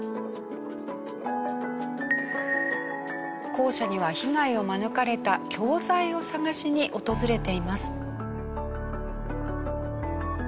校舎には被害を免れた教材を探しに訪れています。